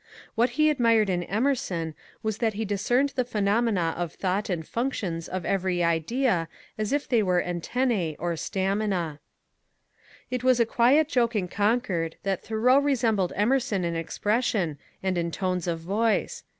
What he admired in Emerson was that he discerned the phenomena of thought and functions of every idea as if they were anJUntuB or stamina. It was a quiet joke in Concord that Thoreau resembled Emerson in expression, and in tones of voice.